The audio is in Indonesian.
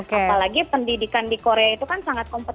apalagi pendidikan di korea itu kan sangat kompeten